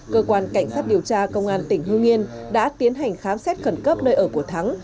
cơ quan cảnh sát điều tra công an tỉnh hương yên đã tiến hành khám xét khẩn cấp nơi ở của thắng